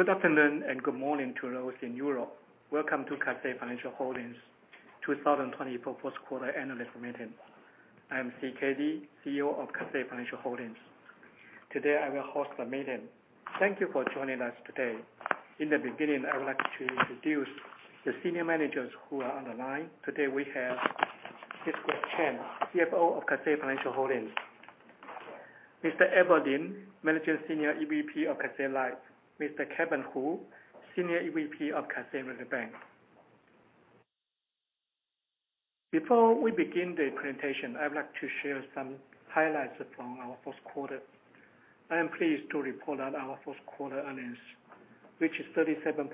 Good afternoon and good morning to those in Europe. Welcome to Cathay Financial Holdings 2024 first quarter analyst meeting. I am CK Lee, CEO of Cathay Financial Holdings. Today, I will host the meeting. Thank you for joining us today. In the beginning, I would like to introduce the senior managers who are on the line. Today we have Mr. Chen, CFO of Cathay Financial Holdings. Mr. Abel Lin, Managing Senior EVP of Cathay Life. Mr. Kevin Hu, Senior EVP of Cathay United Bank. Before we begin the presentation, I would like to share some highlights from our first quarter. I am pleased to report that our first quarter earnings, which is 37.6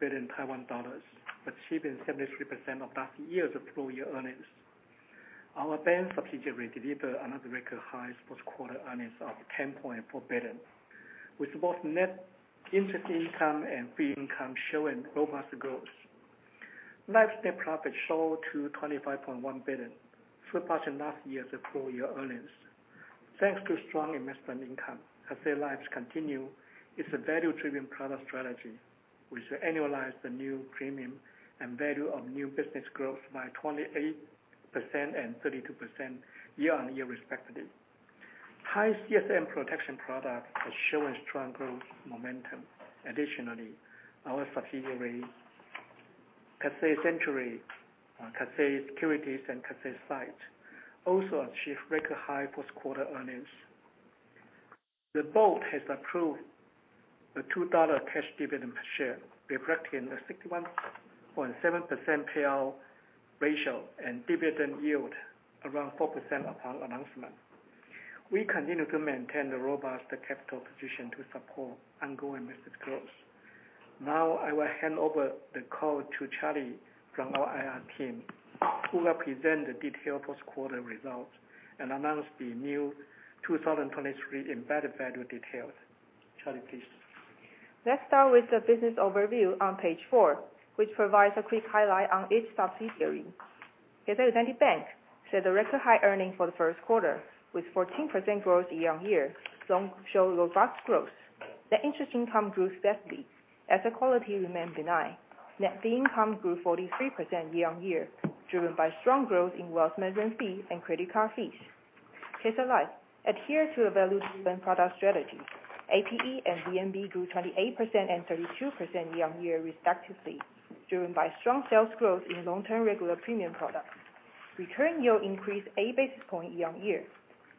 billion Taiwan dollars, achieving 73% of last year's full year earnings. Our bank subsidiary delivered another record high first quarter earnings of 10.4 billion, with both net interest income and fee income showing robust growth. Life's net profit soared to 25.1 billion, surpassing last year's full year earnings. Thanks to strong investment income, as the life continues its value-driven product strategy, which annualized the new premium and value of new business growth by 28% and 32% year-over-year respectively. High CSM protection product is showing strong growth momentum. Additionally, our subsidiaries, Cathay Century, Cathay Securities, and Cathay SITE also achieved record high first quarter earnings. The board has approved a 2 dollar cash dividend per share, reflecting a 61.7% payout ratio and dividend yield around 4% upon announcement. We continue to maintain the robust capital position to support ongoing massive growth. Now I will hand over the call to Charlie from our IR team to present the detailed first quarter results and announce the new 2023 embedded value details. Charlie, please. Let's start with the business overview on page four, which provides a quick highlight on each subsidiary. Cathay United Bank set a record high earnings for the first quarter with 14% growth year-over-year, showing robust growth. The interest income grew steadily as the quality remained benign. Net fee income grew 43% year-over-year, driven by strong growth in wealth management fee and credit card fees. Cathay Life adhere to a value-driven product strategy. APE and VNB grew 28% and 32% year-over-year respectively, driven by strong sales growth in long-term regular premium products. Returning yield increased 8 basis points year-over-year.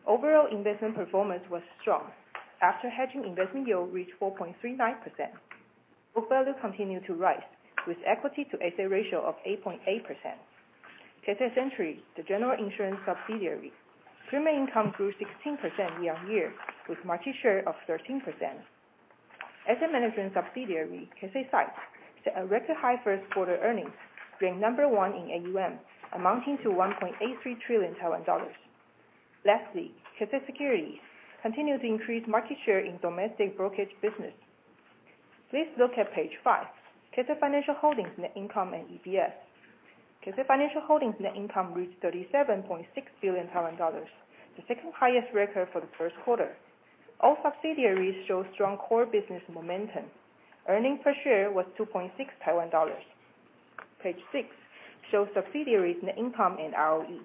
Overall investment performance was strong. After hedging, investment yield reached 4.39%. Book value continued to rise, with equity to asset ratio of 8.8%. Cathay Century, the general insurance subsidiary, premium income grew 16% year-on-year with market share of 13%. Asset management subsidiary, Cathay SITE, set a record high first quarter earnings, ranked number one in AUM, amounting to 1.83 trillion Taiwan dollars. Cathay Securities continued to increase market share in domestic brokerage business. Please look at page five, Cathay Financial Holdings net income and EPS. Cathay Financial Holdings net income reached TWD 37.6 billion, the second-highest record for the first quarter. All subsidiaries show strong core business momentum. Earnings per share was 2.6 Taiwan dollars. Page six shows subsidiaries net income and ROE.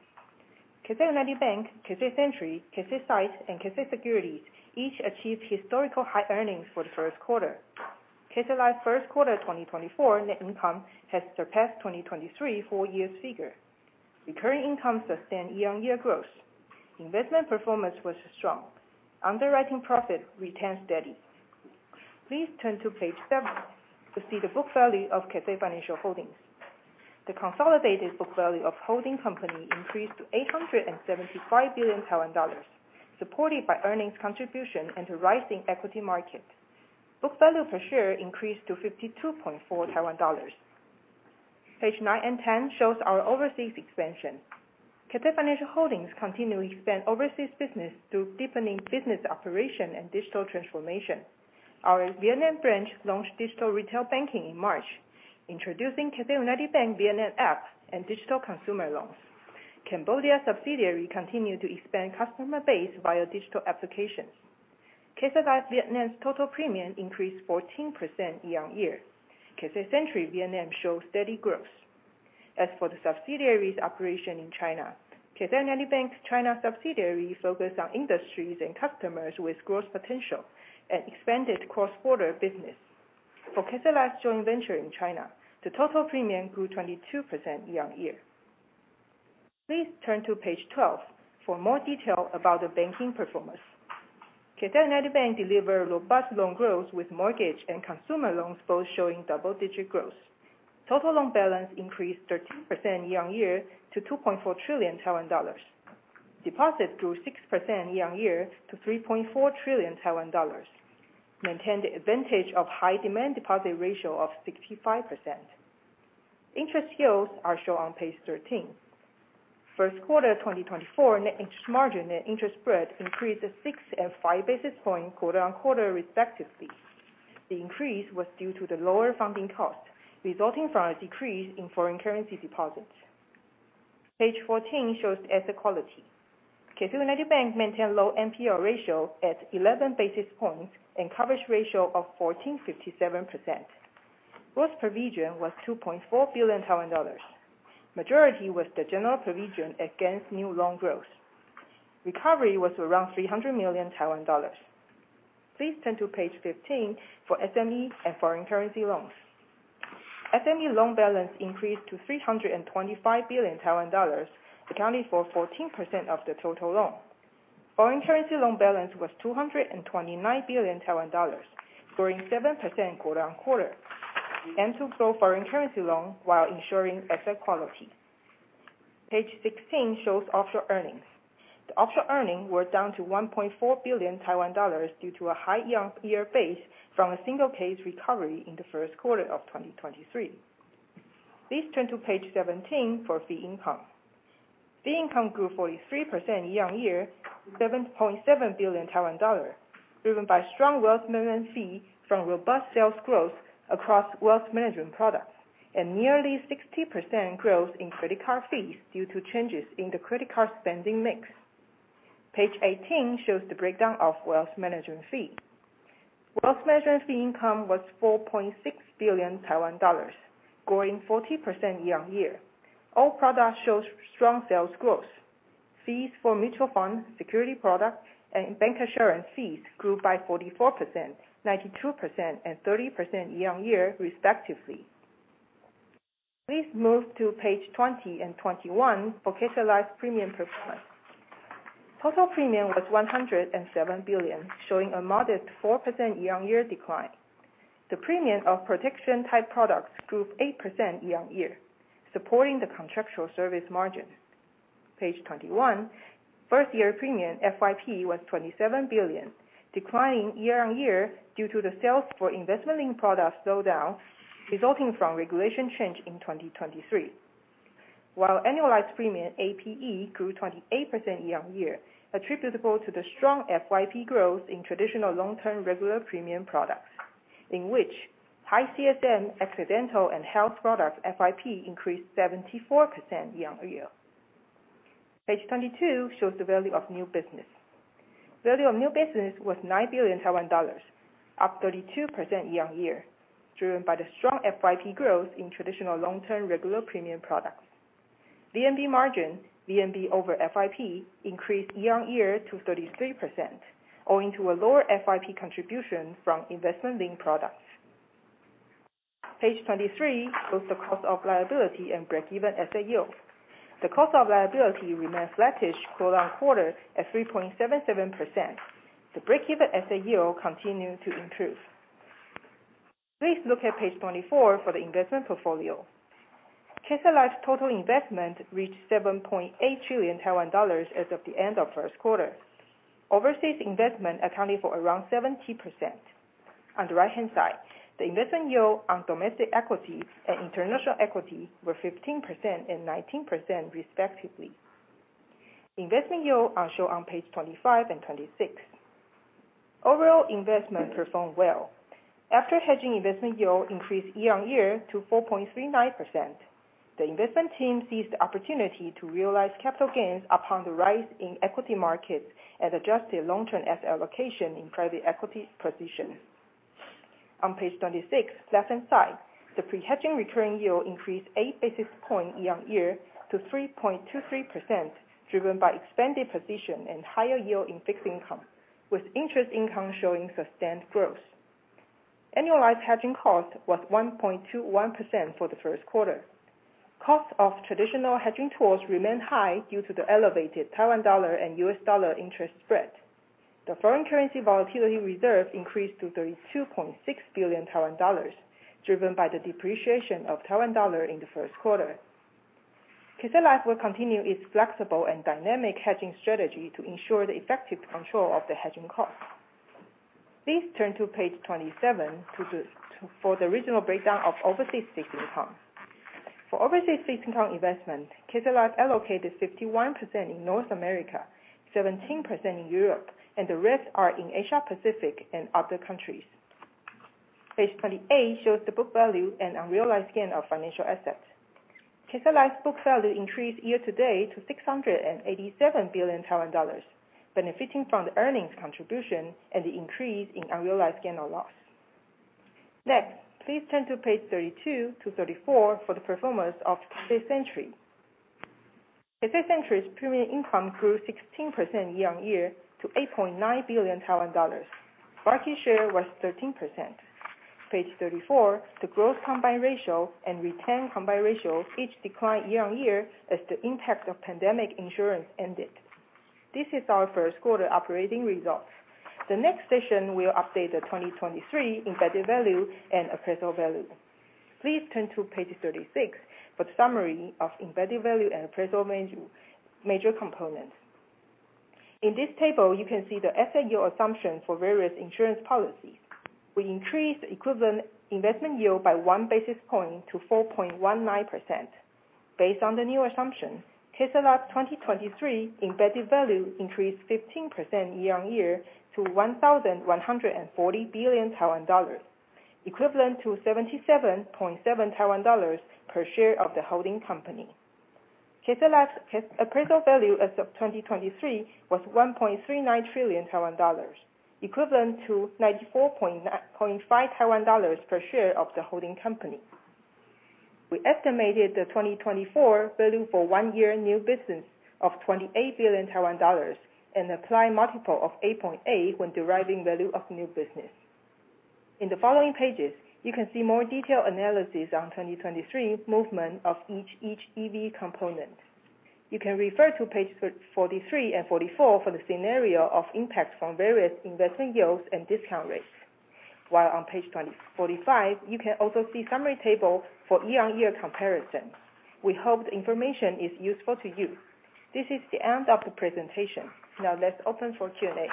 Cathay United Bank, Cathay Century, Cathay SITE, and Cathay Securities each achieved historical high earnings for the first quarter. Cathay Life first quarter 2024 net income has surpassed 2023 full-year figure. Recurring income sustained year-on-year growth. Investment performance was strong. Underwriting profit remained steady. Please turn to page seven to see the book value of Cathay Financial Holdings. The consolidated book value of the holding company increased to 875 billion Taiwan dollars, supported by earnings contribution and a rise in the equity market. Book value per share increased to 52.4 Taiwan dollars. Pages nine and 10 show our overseas expansion. Cathay Financial Holdings continues to expand overseas business through deepening business operation and digital transformation. Our Vietnam branch launched digital retail banking in March, introducing Cathay United Bank Vietnam app and digital consumer loans. Cambodia subsidiary continued to expand customer base via digital applications. Cathay Life Vietnam's total premium increased 14% year-on-year. Cathay Century Vietnam shows steady growth. As for the subsidiaries operation in China, Cathay United Bank's China subsidiary focus on industries and customers with growth potential and expanded cross-border business. For Cathay Life's joint venture in China, the total premium grew 22% year-on-year. Please turn to page 12 for more detail about the banking performance. Cathay United Bank delivered robust loan growth, with mortgage and consumer loans both showing double-digit growth. Total loan balance increased 13% year-on-year to 2.4 trillion Taiwan dollars. Deposit grew 6% year-on-year to 3.4 trillion Taiwan dollars. Maintained the advantage of high-demand deposit ratio of 65%. Interest yields are shown on page 13. First quarter 2024 net interest margin and interest spread increased 6 and 5 basis points quarter-on-quarter respectively. The increase was due to the lower funding cost, resulting from a decrease in foreign currency deposits. Page 14 shows asset quality. Cathay United Bank maintains low NPL ratio at 11 basis points and coverage ratio of 1,457%. Gross provision was 2.4 billion. Majority was the general provision against new loan growth. Recovery was around 300 million Taiwan dollars. Please turn to page 15 for SME and foreign currency loans. SME loan balance increased to 325 billion Taiwan dollars, accounting for 14% of the total loan. Foreign currency loan balance was 229 billion Taiwan dollars, growing 7% quarter-on-quarter. To grow foreign currency loan while ensuring asset quality. Page 16 shows offshore earnings. Offshore earnings were down to 1.4 billion Taiwan dollars due to a high year-on-year base from a single case recovery in the first quarter of 2023. Please turn to page 17 for fee income. Fee income grew 43% year-on-year, to 7.7 billion Taiwan dollar, driven by strong wealth management fees from robust sales growth across wealth management products, and nearly 60% growth in credit card fees due to changes in the credit card spending mix. Page 18 shows the breakdown of wealth management fees. Wealth management fee income was 4.6 billion Taiwan dollars, growing 14% year-on-year. All products show strong sales growth. Fees for mutual fund, security products, and bancassurance fees grew by 44%, 92%, and 30% year-on-year respectively. Please move to page 20 and 21 for Cathay Life premium performance. Total premium was 107 billion, showing a modest 4% year-on-year decline. The premium of protection type products grew 8% year-on-year, supporting the contractual service margins. Page 21. First-year premium, FYP, was 27 billion, declining year-on-year due to the sales of investment-linked products slowed down, resulting from regulatory change in 2023. While annualized premium, APE, grew 28% year-on-year, attributable to the strong FYP growth in traditional long-term regular premium products, in which high CSM accidental and health products' FYP increased 74% year-on-year. Page 22 shows the value of new business. Value of new business was 9 billion Taiwan dollars, up 32% year-on-year, driven by the strong FYP growth in traditional long-term regular premium products. VNB margin, VNB over FYP, increased year-on-year to 33%, owing to a lower FYP contribution from investment-linked products. Page 23 shows the cost of liability and break-even asset yield. The cost of liability remained flattish quarter-on-quarter at 3.77%. The break-even asset yield continued to improve. Please look at page 24 for the investment portfolio. Cathay Life's total investment reached 7.8 trillion Taiwan dollars as of the end of first quarter. Overseas investment accounted for around 70%. On the right-hand side, the investment yield on domestic equity and international equity were 15% and 19% respectively. Investment yield are shown on page 25 and 26. Overall investment performed well. After hedging investment yield increased year-on-year to 4.39%. The investment team seized the opportunity to realize capital gains upon the rise in equity markets and adjusted long-term asset allocation in private equity position. On page 26, left-hand side, the pre-hedging return yield increased 8 basis points year-over-year to 3.23%, driven by expanded position and higher yield in fixed income, with interest income showing sustained growth. Annualized hedging cost was 1.21% for the first quarter. Cost of traditional hedging tools remained high due to the elevated Taiwan dollar and U.S. dollar interest spread. The foreign currency volatility reserve increased to 32.6 billion Taiwan dollars, driven by the depreciation of Taiwan dollar in the first quarter. Cathay Life will continue its flexible and dynamic hedging strategy to ensure the effective control of the hedging cost. Please turn to page 27 for the regional breakdown of overseas fixed income. For overseas fixed income investment, Cathay Life allocated 51% in North America, 17% in Europe, and the rest are in Asia Pacific and other countries. Page 28 shows the book value and unrealized gain of financial assets. Cathay Life's book value increased year-to-date to 687 billion Taiwan dollars, benefiting from the earnings contribution and the increase in unrealized gain or loss. Next, please turn to pages 32 to 34 for the performance of Cathay Century. Cathay Century's premium income grew 16% year-on-year to 8.9 billion Taiwan dollars. Market share was 13%. Page 34, the gross combined ratio and retained combined ratio each declined year-on-year as the impact of pandemic insurance ended. This is our first quarter operating results. The next session, we'll update the 2023 embedded value and appraisal value. Please turn to page 36 for the summary of embedded value and appraisal value, major components. In this table, you can see the asset yield assumption for various insurance policies. We increased the equivalent investment yield by 1 basis point to 4.19%. Based on the new assumption, Cathay Life's 2023 embedded value increased 15% year-on-year to 1,140 billion Taiwan dollars. Equivalent to 77.7 Taiwan dollars per share of the holding company. Cathay Life's appraisal value as of 2023 was 1.39 trillion Taiwan dollars, equivalent to 94.95 Taiwan dollars per share of the holding company. We estimated the 2024 value for one year new business of 28 billion Taiwan dollars and apply multiple of 8.8 when deriving value of new business. In the following pages, you can see more detailed analysis on 2023 movement of each EV component. You can refer to page 43 and 44 for the scenario of impact from various investment yields and discount rates. While on page 45, you can also see summary table for year-on-year comparison. We hope the information is useful to you. This is the end of the presentation. Now let's open for Q&A.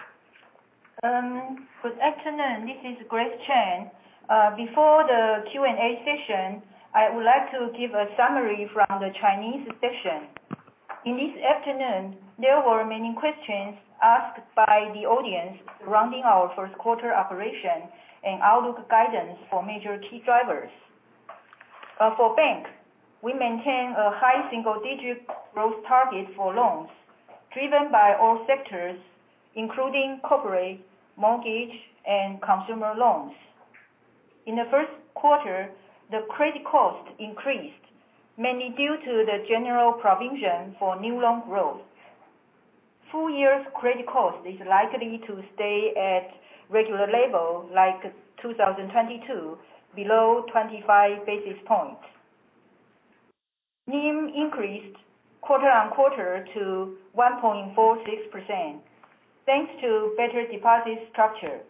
Good afternoon, this is Grace Chen. Before the Q&A session, I would like to give a summary from the Chinese session. This afternoon, there were many questions asked by the audience surrounding our first quarter operation and outlook guidance for major key drivers. For bank, we maintain a high-single-digit growth target for loans driven by all sectors, including corporate, mortgage, and consumer loans. In the first quarter, the credit cost increased, mainly due to the general provision for new loan growth. Full year's credit cost is likely to stay at regular level, like 2022, below 25 basis points. NIM increased quarter-on-quarter to 1.46%, thanks to better deposit structure.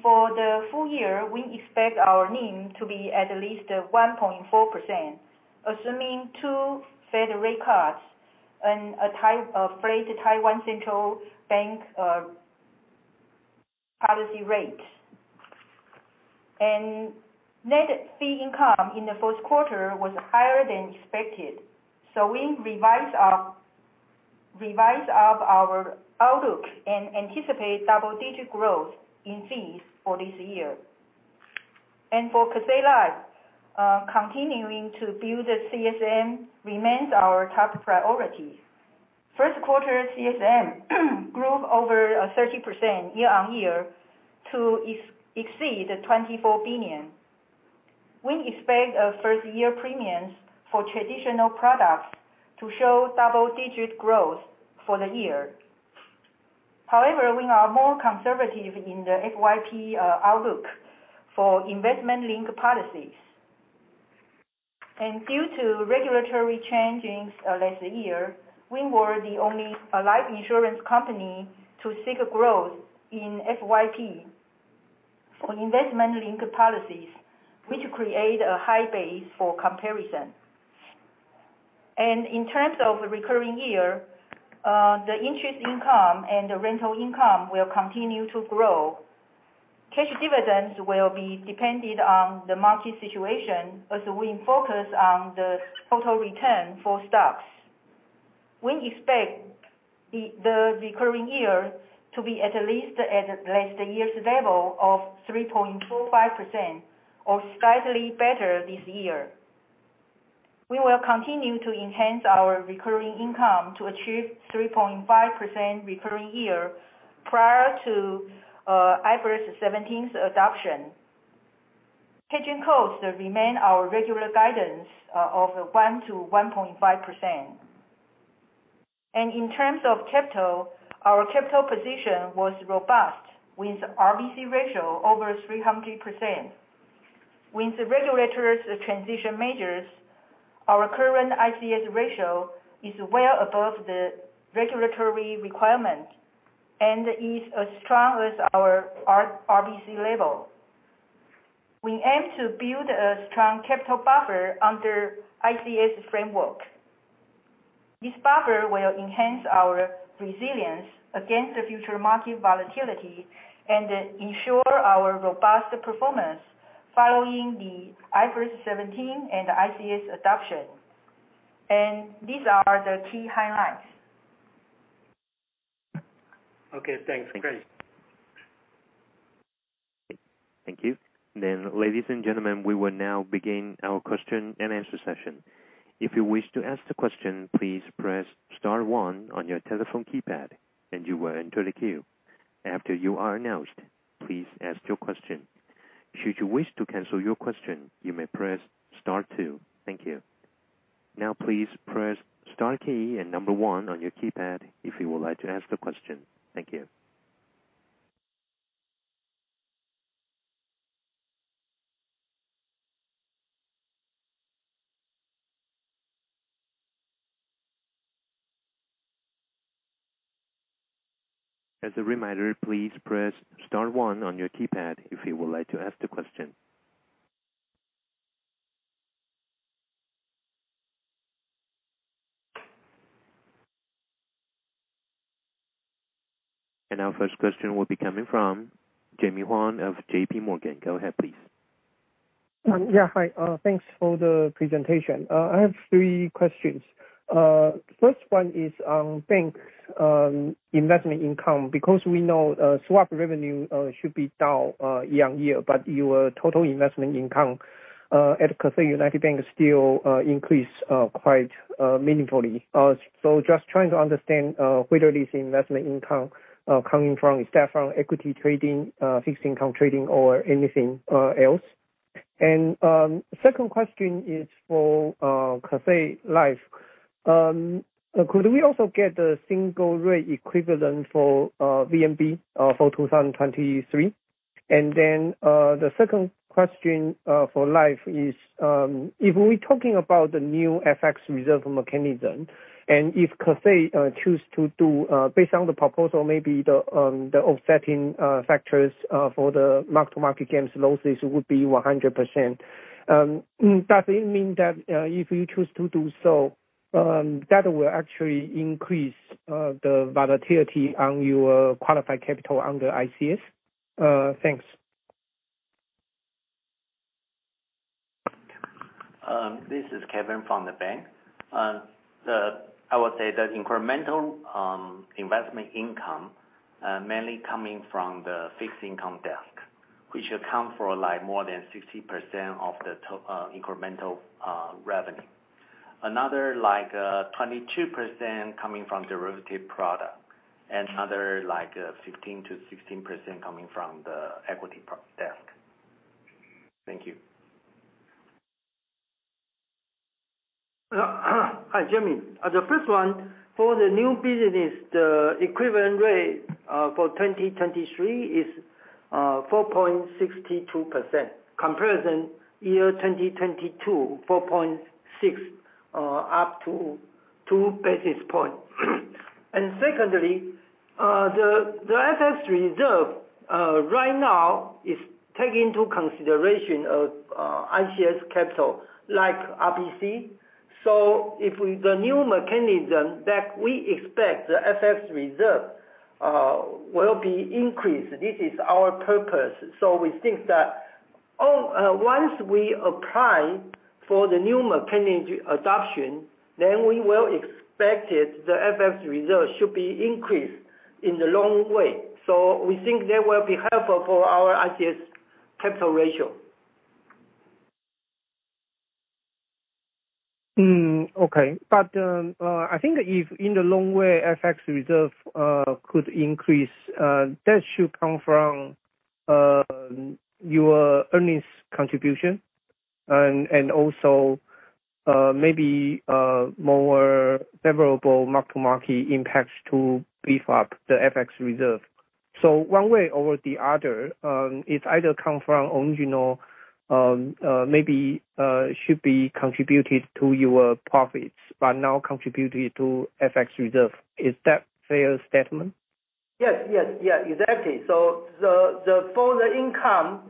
For the full year, we expect our NIM to be at least 1.4%, assuming two Fed rate cuts and a Taiwan Central Bank policy rates. Net fee income in the first quarter was higher than expected, so we revise up our outlook and anticipate double-digit growth in fees for this year. For Cathay Life, continuing to build the CSM remains our top priority. First quarter CSM grew over 30% year-on-year to exceed 24 billion. We expect first year premiums for traditional products to show double-digit growth for the year. However, we are more conservative in the FYP outlook for investment-linked policies. Due to regulatory changes last year, we were the only life insurance company to seek growth in FYP for investment-linked policies, which create a high base for comparison. In terms of the recurring yield, the interest income and the rental income will continue to grow. Cash dividends will depend on the market situation as we focus on the total return for stocks. We expect the recurring yield to be at least at last year's level of 3.45% or slightly better this year. We will continue to enhance our recurring income to achieve 3.5% recurring yield prior to IFRS 17's adoption. Claims costs remain our regular guidance of 1%-1.5%. In terms of capital, our capital position was robust, with RBC ratio over 300%. With the regulators transition measures, our current ICS ratio is well above the regulatory requirement and is as strong as our RBC level. We aim to build a strong capital buffer under ICS framework. This buffer will enhance our resilience against the future market volatility and ensure our robust performance following the IFRS 17 and ICS adoption. These are the key highlights. Okay, thanks, Grace. Thank you. Ladies and gentlemen, we will now begin our question and answer session. If you wish to ask the question, please press star one on your telephone keypad and you will enter the queue. After you are announced, please ask your question. Should you wish to cancel your question, you may press star two. Thank you. Now, please press star key and number one on your keypad if you would like to ask a question. Thank you. As a reminder, please press star one on your keypad if you would like to ask a question. Our first question will be coming from Jamie Huang of JPMorgan. Go ahead, please. Hi, thanks for the presentation. I have three questions. First one is on bank's investment income, because we know swap revenue should be down year-on-year, but your total investment income at Cathay United Bank still increase quite meaningfully. So just trying to understand whether this investment income is coming from equity trading, fixed income trading, or anything else? Second question is for Cathay Life. Could we also get the single rate equivalent for VNB for 2023? The second question for Life is, if we're talking about the new FX reserve mechanism, and if Cathay choose to do based on the proposal, maybe the offsetting factors for the mark-to-market gains and losses would be 100%, does it mean that if you choose to do so, that will actually increase the volatility on your qualified capital under ICS? Thanks. This is Kevin from the bank. I would say the incremental investment income mainly coming from the fixed income desk, which account for, like, more than 60% of the incremental revenue. Another, like, 22% coming from derivative product, and another, like, 15%-16% coming from the equity desk. Thank you. Hi, Jamie. The first one, for the new business, the equivalent rate for 2023 is 4.62%, comparison year 2022, 4.6, up 2 basis points. Secondly, the FX reserve right now is taken into consideration ICS capital, like RBC. If we, the new mechanism that we expect the FX reserve will be increased, this is our purpose. We think that once we apply for the new mechanism adoption, then we will expect it, the FX reserve should be increased in the long run. We think that will be helpful for our ICS capital ratio. I think if in the long run, FX reserve could increase, that should come from your earnings contribution and also maybe more favorable mark-to-market impacts to beef up the FX reserve. One way or the other, it either come from originally maybe should be contributed to your profits, but now contributed to FX reserve. Is that fair statement? Yes. Yeah. Exactly. For the income,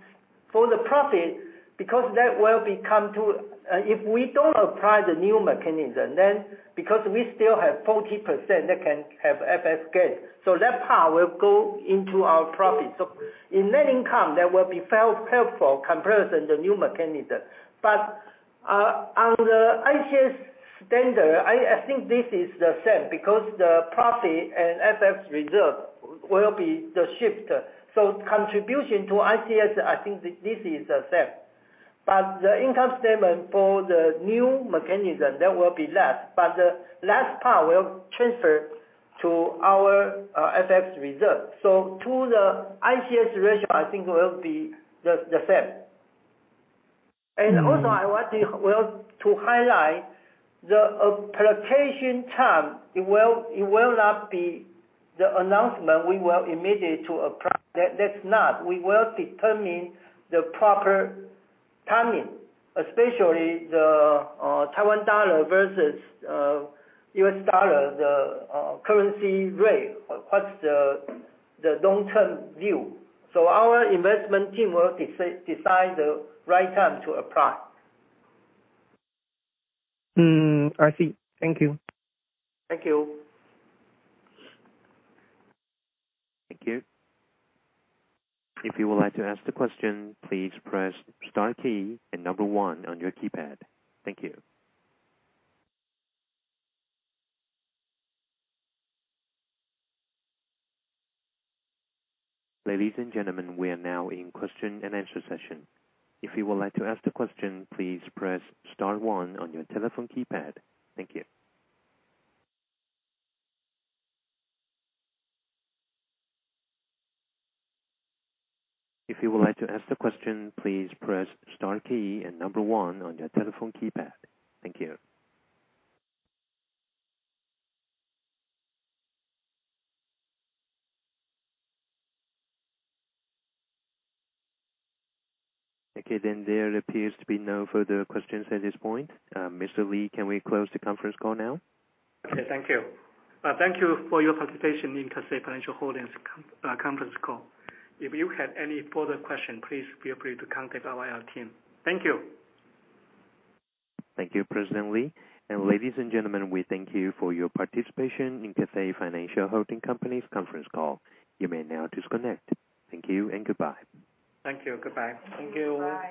for the profit, if we don't apply the new mechanism, then because we still have 40% that can have FX gain, so that part will go into our profit. In net income, that will be far helpful comparison the new mechanism. On the ICS standard, I think this is the same because the profit and FX reserve will be the shift. Contribution to ICS, I think this is the same. The income statement for the new mechanism, that will be less, but the less part will transfer to our FX reserve. To the ICS ratio, I think will be the same. I want to, well, to highlight the application term, it will not be the announcement we will immediately apply. That's not. We will determine the proper timing, especially the Taiwan dollar versus U.S. dollar, the currency rate. What's the long-term view. Our investment team will decide the right time to apply. I see. Thank you. Thank you. Ladies and gentlemen, we are now in question and answer session. Okay, there appears to be no further questions at this point. Mr. Lee, can we close the conference call now? Okay. Thank you. Thank you for your participation in Cathay Financial Holdings conference call. If you have any further question, please feel free to contact our IR team. Thank you. Thank you, President Lee. Ladies and gentlemen, we thank you for your participation in Cathay Financial Holding Company's conference call. You may now disconnect. Thank you and goodbye. Thank you. Goodbye. Thank you.